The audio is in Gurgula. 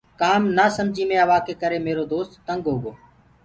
ڪآم نآسمجي مي آوآ ڪي ڪري ميرو دو تينگ هوگو۔